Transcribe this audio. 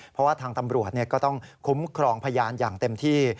เพราะว่าทางตำรวจก็ต้องคุ้มครองพยานอย่างเต็มที่